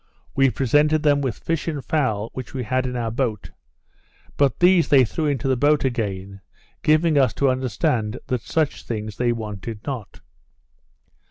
We presented them with fish and fowl which we had in our boat; but these they threw into the boat again, giving us to understand that such things they wanted not.